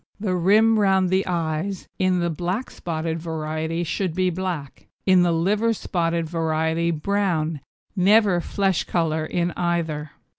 THE RIM ROUND THE EYES in the black spotted variety should be black, in the liver spotted variety brown never flesh colour in either.